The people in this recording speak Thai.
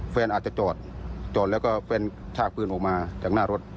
แฟนอาจจะจอดจอดแล้วก็แฟนชากปืนออกมาจากหน้ารถ